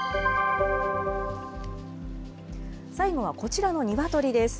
最後はこちらのニワトリです。